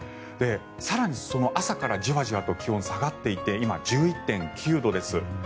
更に朝からじわじわと気温が下がっていて今、１１．９度です。